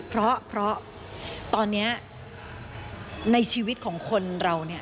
เพราะตอนนี้ในชีวิตของคนเราเนี่ย